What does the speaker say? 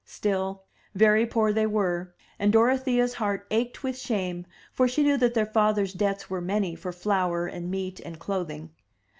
Still, very poor they were, and Dorothea's heart ached with shame, for she knew that their father's debts were many for flour and meat and clothing.